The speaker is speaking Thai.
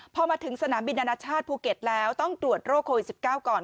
พอมาถึงสนามบินอนาชาติภูเก็ตแล้วต้องตรวจโรคโควิด๑๙ก่อน